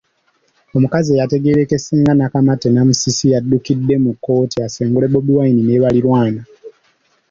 Omukazi eyategeerekese nga Nakamatte Namusisi yaddukidde mu kkooti asengule Bobi Wine ne balirwana .